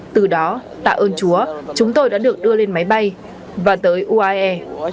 từ đó tạ ơn chúa chúng tôi đã được đưa lên máy bay và tới uae